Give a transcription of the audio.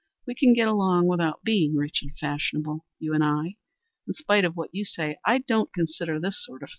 We can get along without being rich and fashionable, you and I. In spite of what you say, I don't consider this sort of thing American."